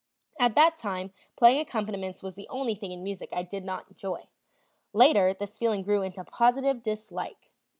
At that time playing accompaniments was the only thing in music I did not enjoy; later this feeling grew into positive dislike.